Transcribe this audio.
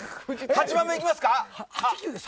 ８番目いきますか。